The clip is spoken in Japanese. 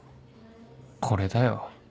これだよ